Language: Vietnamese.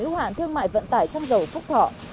ưu hoạn thương mại vận tải xăng dầu phúc thọ